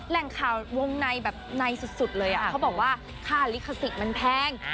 แหล่งข่าววงในแบบในสุดเลยเขาบอกว่าค่าลิขสิทธิ์มันแพง